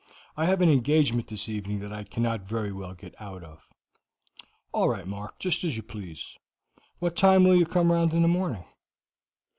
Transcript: I have an engagement this evening that I cannot very well get out of." "All right, Mark, just as you please. What time will you come round in the morning?"